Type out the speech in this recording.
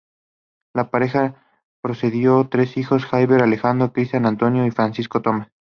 La pareja procreó tres hijos: Javier Alejandro, Cristián Antonio y Francisco Tomás.